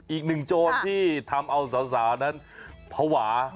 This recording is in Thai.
อีกหนึ่งโจรที่ทำเอาสาวนั้นภาวะ